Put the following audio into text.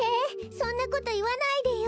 そんなこといわないでよ！